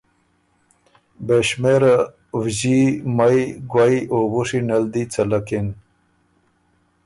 بېشمېره وݫي، مئ، ګوئ او وُشی ن ال دی څلکِن۔